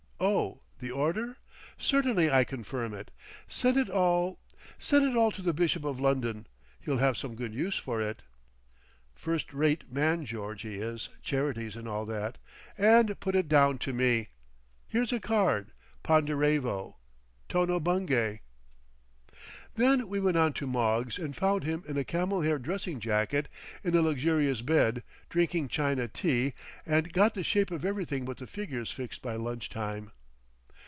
Oh—the order? Certainly. I confirm it. Send it all—send it all to the Bishop of London; he'll have some good use for it—(First rate man, George, he is—charities and all that)—and put it down to me, here's a card—Ponderevo—Tono Bungay." Then we went on to Moggs and found him in a camel hair dressing jacket in a luxurious bed, drinking China tea, and got the shape of everything but the figures fixed by lunch time.